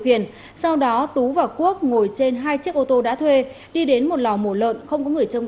khiển sau đó tú và quốc ngồi trên hai chiếc ô tô đã thuê đi đến một lò mổ lợn không có người trông